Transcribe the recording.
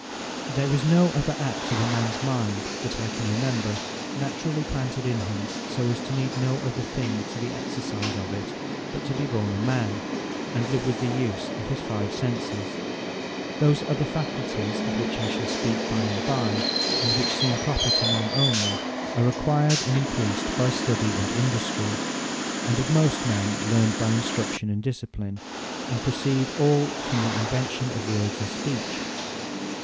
There is no other act of mans mind, that I can remember, naturally planted in him, so, as to need no other thing, to the exercise of it, but to be born a man, and live with the use of his five Senses. Those other Faculties, of which I shall speak by and by, and which seem proper to man onely, are acquired, and encreased by study and industry; and of most men learned by instruction, and discipline; and proceed all from the invention of Words, and Speech.